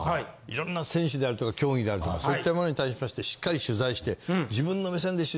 色んな選手であるとか競技であるとかそういったものに対しましてしっかり取材して自分の目線で。